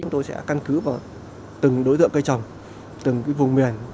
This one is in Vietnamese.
chúng tôi sẽ căn cứ vào từng đối tượng cây trồng từng vùng miền